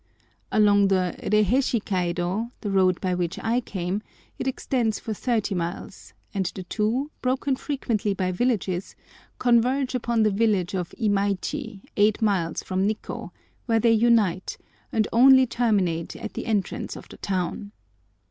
Along the Reiheishi kaido, the road by which I came, it extends for thirty miles, and the two, broken frequently by villages, converge upon the village of Imaichi, eight miles from Nikkô, where they unite, and only terminate at the entrance of the town.